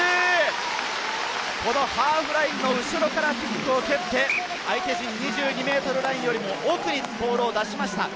ハーフラインの後ろからキックを蹴って、相手陣２２ｍラインよりも奥にボールを出しました。